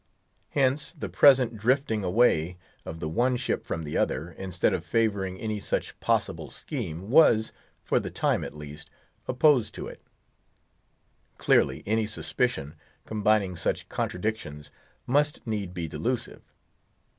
Hence the present drifting away of the one ship from the other, instead of favoring any such possible scheme, was, for the time, at least, opposed to it. Clearly any suspicion, combining such contradictions, must need be delusive.